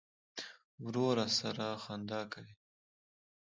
ورور سره خندا کوې.